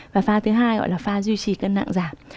và pha thứ hai gọi là pha duy trì cân nặng giảm